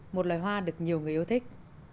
một loài hoa được nhiều người yêu thích